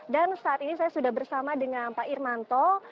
dan saat ini saya sudah bersama dengan pak irmanto